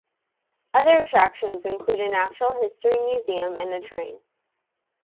Other attractions include a natural history museum and a train.